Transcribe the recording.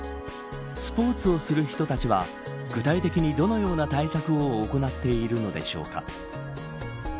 スポーツをする人たちは具体的にどのような対策を行っているのでしょうか。